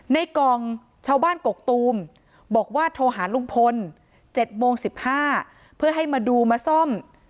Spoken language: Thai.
ในกล่องชาวบ้านกกตูมบอกว่าโทรหาลุงพล๗โมง๑๕เพื่อให้มาดูมาซ่อม